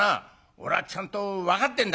俺はちゃんと分かってんだ」。